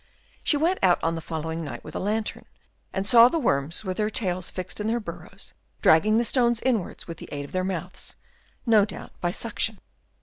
She went out on the following night with a lantern, and saw the worms with their tails fixed in their burrows, dragging the stones inwards by the aid of their mouths, no doubt by suction.